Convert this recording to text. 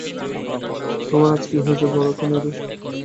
তোমার আজ কী হয়েছে বলো তো নীরু।